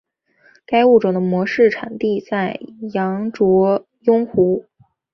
该物种的模式产地在羊卓雍湖。